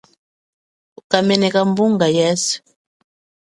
Uka meneka mbunga yeswe.